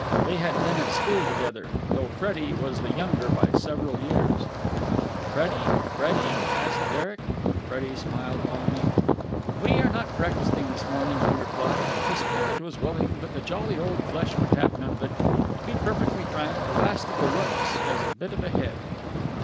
They had been at school together, though Freddie was the younger by several years. "Finished, Freddie?" asked Derek. Freddie smiled wanly. "We are not breakfasting this morning," he replied. "The spirit was willing, but the jolly old flesh would have none of it. To be perfectly frank, the Last of the Rookes has a bit of a head."